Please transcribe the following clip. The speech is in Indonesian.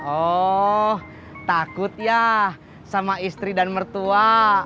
oh takut ya sama istri dan mertua